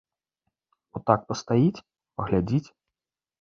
От так пастаіць, паглядзіць.